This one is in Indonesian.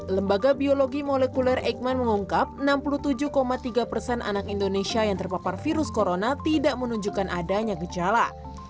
lembaga biologi molekuler eikman mengungkap enam puluh tujuh tiga persen anak indonesia yang terpapar virus corona tidak menunjukkan adanya gejala